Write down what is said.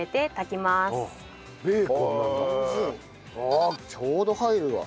あっちょうど入るわ。